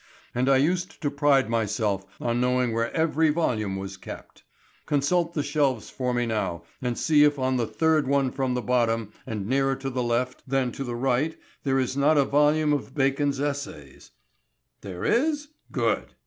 And I used to pride myself on knowing where every volume was kept. Consult the shelves for me now and see if on the third one from the bottom and nearer to the left than to the right there is not a volume of Bacon's Essays. There is? Good!